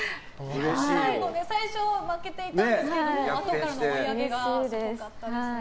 最初、負けていたんですけどもあとからの追い上げがすごかったですね。